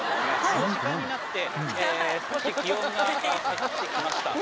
この時間になって少し気温が下がって来ました。